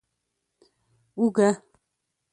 🧄 اوږه